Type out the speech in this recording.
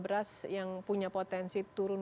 beras yang punya potensi turun